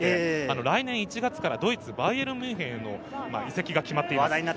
来年１月からドイツ、バイエルン・ミュンヘンへの移籍が決まっています。